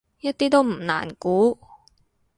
一啲都唔難估